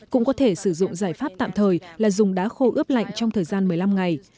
cũng có thể sử dụng giải pháp tạm thời là dùng đá khô ướp lạnh trong thời gian một mươi năm ngày